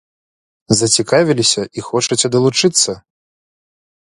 Зацікавіліся і хочаце далучыцца?